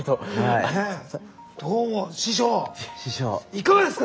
いかがですか？